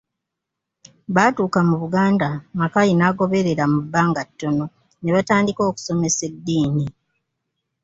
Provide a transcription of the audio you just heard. Baatuuka mu Buganda Mackay n'agoberera mu bbanga ttono, ne batandika okusomesa eddiini.